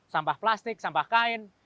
sampah plastik sampah kain